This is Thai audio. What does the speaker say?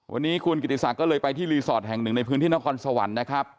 วันนี้คุณกิติศักดิ์ก็เลยไปที่รีสอร์ทแห่งหนึ่งในพื้นที่นครสวรรค์นะครับ